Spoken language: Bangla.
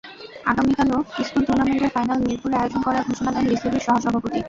আগামীবারও স্কুল টুর্নামেন্টের ফাইনাল মিরপুরে আয়োজন করার ঘোষণা দেন বিসিবির সহসভাপতি।